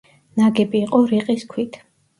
ნაგები იყო რიყის ქვით.